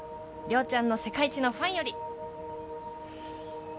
「亮ちゃんの世界一のファンより」